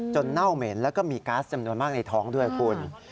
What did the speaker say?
เน่าเหม็นแล้วก็มีก๊าซจำนวนมากในท้องด้วยคุณ